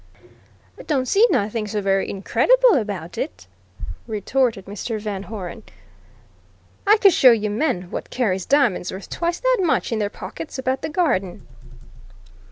"Don't see nothing so very incredible about it," retorted Mr. Van Hoeren. "I could show you men what carries diamonds worth twice that much in their pockets about the Garden."